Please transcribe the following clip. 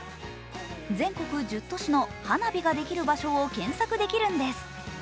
全国１０都市の花火ができる場所を検索できるんです。